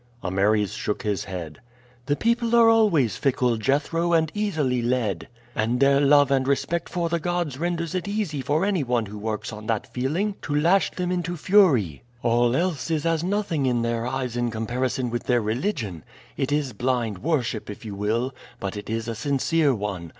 Ameres shook his head. "The people are always fickle, Jethro, and easily led; and their love and respect for the gods renders it easy for any one who works on that feeling to lash them into fury. All else is as nothing in their eyes in comparison with their religion. It is blind worship, if you will; but it is a sincere one.